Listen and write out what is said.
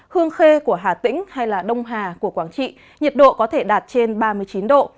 hương khê của hà tĩnh hay đông hà của quảng trị nhiệt độ có thể đạt trên ba mươi chín độ